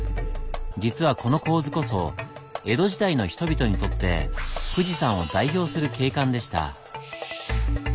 実はこの構図こそ江戸時代の人々にとって富士山を代表する景観でした。